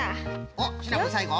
おっシナプーさいご？